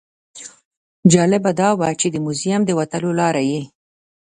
جالبه دا وه چې د موزیم د وتلو لاره یې.